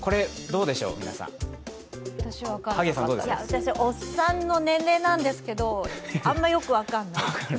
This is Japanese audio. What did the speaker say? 私、おっさんの年齢なんですけどあんま、よく分かんない。